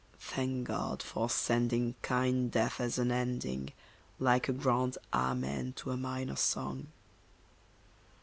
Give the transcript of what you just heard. Thank God for sending kind death as an ending, Like a grand Amen to a minor song.